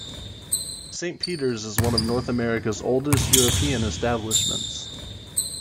Saint Peter's is one of North America's oldest European establishments.